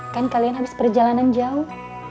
kan kalian habis perjalanan jauh